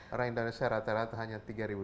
orang indonesia rata rata hanya tiga lima ratus